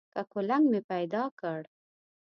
که کولنګ مې پیدا کړ.